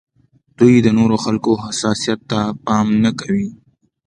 دوی د نورو خلکو حساسیت ته پام نه کوي.